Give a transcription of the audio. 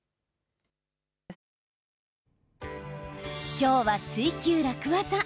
今日は「ツイＱ楽ワザ」。